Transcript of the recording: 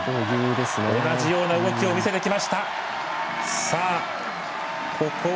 同じような動きを見せてきました。